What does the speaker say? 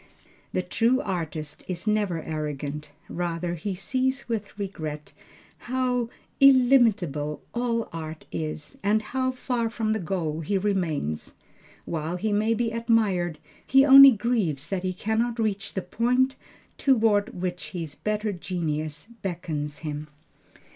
The true artist is never arrogant; rather he sees with regret how illimitable all art is, and how far from the goal he remains. While he may be admired, he only grieves that he cannot reach the point toward which his better genius beckons him."